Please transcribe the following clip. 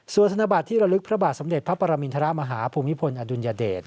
ส่วนธนบัตรที่ระลึกพระบาทสมเด็จพระปรมินทรมาฮาภูมิพลอดุลยเดช